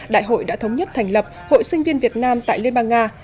đại hội đã thống nhất thành lập hội sinh viên việt nam tại liên bang nga